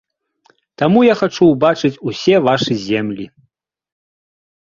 Таму я хачу ўбачыць усе вашы землі.